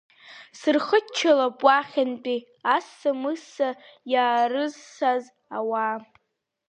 Сырхыччалап уахьынтәи асса-мысса иарыссаз ауаа.